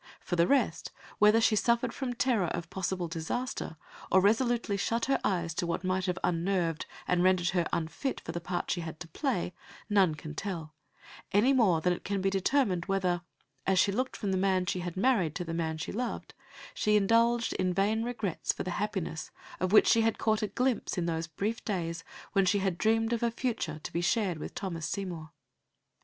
For the rest, whether she suffered from terror of possible disaster or resolutely shut her eyes to what might have unnerved and rendered her unfit for the part she had to play, none can tell, any more than it can be determined whether, as she looked from the man she had married to the man she had loved, she indulged in vain regrets for the happiness of which she had caught a glimpse in those brief days when she had dreamed of a future to be shared with Thomas Seymour.